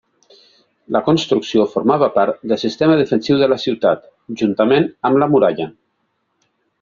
La construcció formava part del sistema defensiu de la ciutat, juntament amb la muralla.